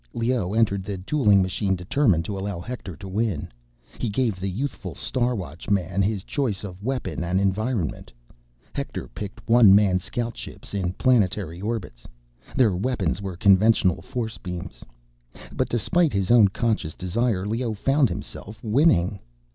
Leoh entered the dueling machine determined to allow Hector to win. He gave the youthful Star Watchman his choice of weapon and environment. Hector picked one man scoutships, in planetary orbits. Their weapons were conventional force beams. But despite his own conscious desire, Leoh found himself winning!